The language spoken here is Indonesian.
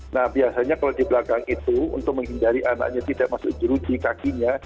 nah biasanya kalau di belakang itu untuk menghindari anaknya tidak masuk jeruji kakinya